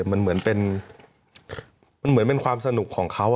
มันเหมือนเป็นความสนุกของเขา